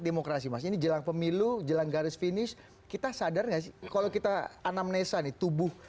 demokrasi mas ini jelang pemilu jelang garis finish kita sadar nggak sih kalau kita anamnesa nih tubuh